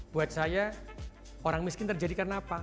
buat saya orang miskin terjadi karena apa